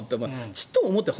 ちっとも思ってない。